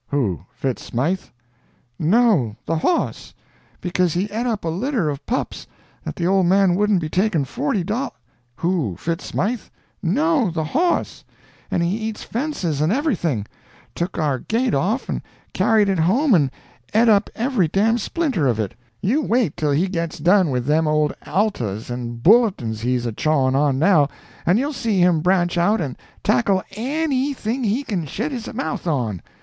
"Who, Fitz Smythe?" "No, the hoss—because he et up a litter of pups that the old man wouldn't a taken forty dol—" "Who, Fitz Smythe?" "No, the hoss—and he eats fences and everything—took our gate off and carried it home and et up every dam splinter of it; you wait till he gets done with them old Altas and Bulletins he's a chawin' on now, and you'll see him branch out and tackle a n y thing he can shet his mouth on.